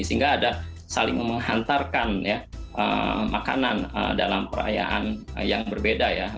sehingga ada saling menghantarkan ya makanan dalam perayaan yang berbeda ya